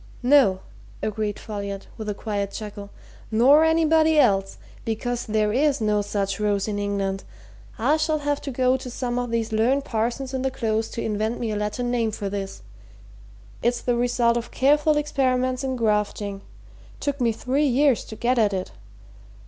"No!" agreed Folliot, with a quiet chuckle. "Nor anybody else because there's no such rose in England. I shall have to go to some of these learned parsons in the Close to invent me a Latin name for this it's the result of careful experiments in grafting took me three years to get at it.